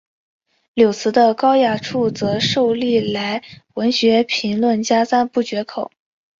柳词的高雅处则受历来文学评论家赞不绝口。